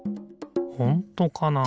ほんとかな？